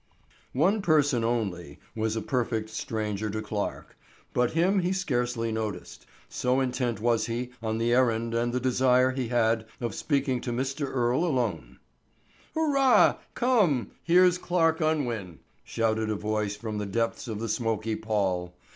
One person only was a perfect stranger to Clarke, but him he scarcely noticed, so intent was he on his errand and the desire he had of speaking to Mr. Earle alone. "Hurrah! Come! Here's Clarke Unwin!" shouted a voice from the depths of the smoky pall.